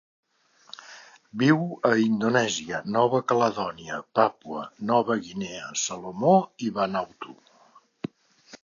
Viu a Indonèsia, Nova Caledònia, Papua Nova Guinea, Salomó i Vanuatu.